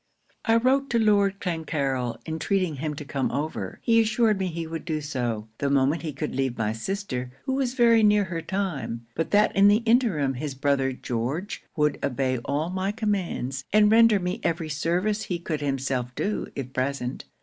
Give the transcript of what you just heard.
'I wrote to Lord Clancarryl, entreating him to come over. He assured me he would do so, the moment he could leave my sister, who was very near her time; but that in the interim his brother George would obey all my commands, and render me every service he could himself do if present.